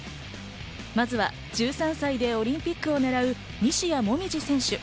まずは１３歳でオリンピックを狙う西矢椛選手。